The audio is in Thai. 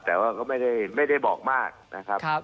แต่ว่าก็ไม่ได้บอกมากนะครับ